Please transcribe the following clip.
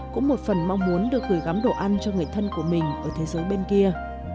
cũng một phần mong muốn được gửi gắm đồ ăn cho người thân của mình ở thế giới bên kia